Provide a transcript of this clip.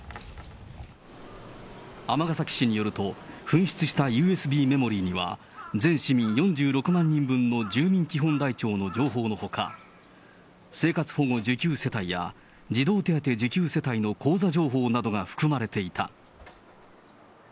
尼崎市によると、紛失したＵＳＢメモリーには、全市民４６万人分の住民基本台帳の情報のほか、生活保護受給世帯や、児童手当受給世帯の口座情報などが含まれていた。